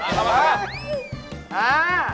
เอาล่ะมาค่ะอ้า